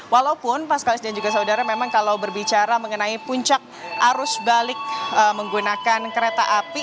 walaupun mas kalis dan juga saudara memang kalau berbicara mengenai puncak arus balik menggunakan kereta api